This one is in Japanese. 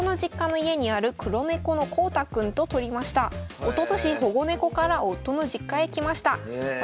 おととし保護猫から夫の実家へ来ました。